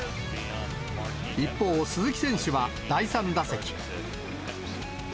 一方、鈴木選手は第３打席。